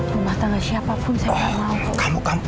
rumah tangga siapapun saya tidak mau